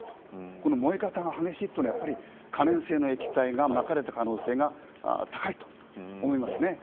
この燃え方が激しいというのはやはり可燃性の液体がまかれた可能性が高いと思います。